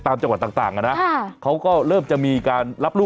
จังหวัดต่างอ่ะนะเขาก็เริ่มจะมีการรับลูก